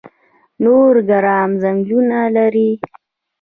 نورګرام ځنګلونه لري؟